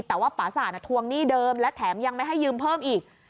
แต่ว่าปราศาสตทวงหนี้เดิมและแถมยังไม่ให้ยืมเพิ่มอีก